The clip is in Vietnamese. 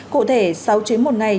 cụ thể sáu chuyến một ngày